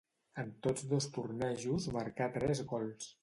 En tots dos tornejos marcà tres gols.